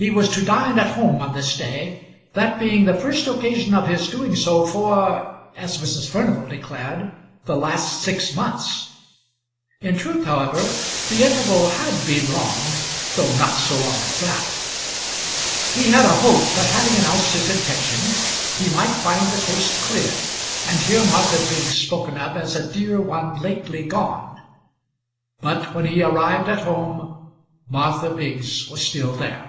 He was to dine at home on this day, that being the first occasion of his doing so for as Mrs. Furnival declared the last six months. In truth, however, the interval had been long, though not so long as that. He had a hope that having announced his intention, he might find the coast clear and hear Martha Biggs spoken of as a dear one lately gone. But when he arrived at home Martha Biggs was still there.